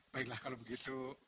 baiklah kalau begitu